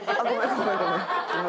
ごめんごめん。